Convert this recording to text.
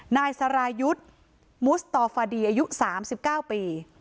นายสรายุทธ์มุสตอฟดีอายุ๓๙ปี